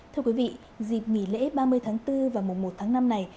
thưa quý vị dịp nghỉ lễ ba mươi tháng bốn và mùa một tháng năm này